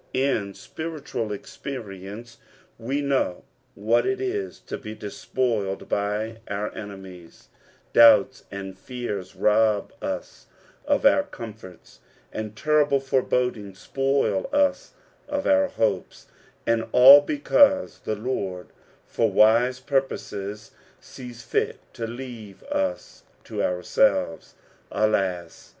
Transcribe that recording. In spiritual experience we kaov what it is to be despoiled by our enemies ; doubts and fears rob us of our comforts, and terrible forebodings spoil us of our hopes ; and all because the Lord, for wise purposes, sees fit to leave us to ourselves. Alas